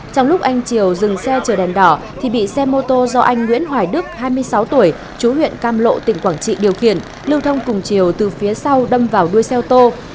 trong lúc anh triều dừng xe chờ đèn đỏ thì bị xe mô tô do anh nguyễn hoài đức hai mươi sáu tuổi chú huyện cam lộ tỉnh quảng trị điều khiển lưu thông cùng chiều từ phía sau đâm vào đuôi xe ô tô